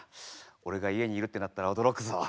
俺が家にいるってなったら驚くぞ。